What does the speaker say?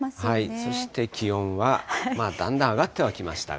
そして気温はだんだん上がってはきましたが。